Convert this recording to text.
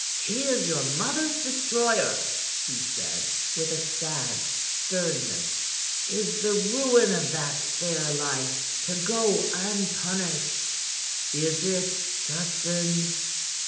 "He is your mother's destroyer," he said, with a sad sternness. "Is the ruin of that fair life to go unpunished? Is it, Justin?"